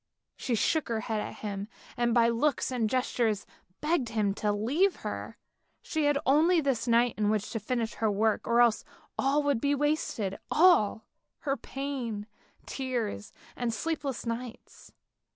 She shook her head at him, and by looks and gestures begged him to leave her. She had only this night in which to finish her work, or else all would be wasted, all — her pain, tears and sleepless nights.